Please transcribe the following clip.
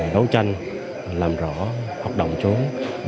đấu tranh làm rõ học động trốn